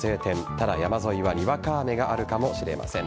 ただ、山沿いはにわか雨があるかもしれません。